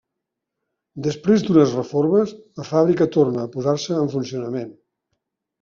Després d'unes reformes, la fàbrica torna a posar-se en funcionament.